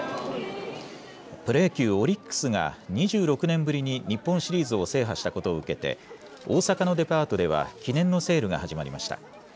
プロ野球・オリックスが２６年ぶりに日本シリーズを制覇したことを受けて、大阪のデパートでは、記念のセールが始まりました。